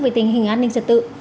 về tình hình an ninh trật tự